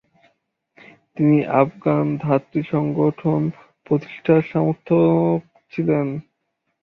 তিনি আফগান ধাত্রী সংগঠন প্রতিষ্ঠার সমর্থক ছিলেন।